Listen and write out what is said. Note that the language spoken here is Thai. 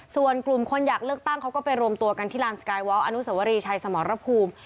ส่วนกลุ่มคนอยากเลือกตั้งเขาก็ไปรวมตัวกันที่ลานสกายวอล์อนุสวรีชัยสมรภูมิ